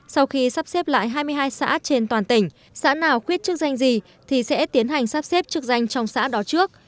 sau khi sắp xếp lại hai mươi hai xã trên toàn tỉnh xã nào quyết chức danh gì thì sẽ tiến hành sắp xếp chức danh trong xã đó trước